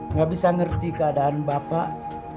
nggak bisa ngerti keadaan bapak